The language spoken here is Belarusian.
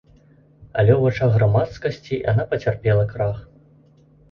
Але ў вачах грамадскасці яна пацярпела крах.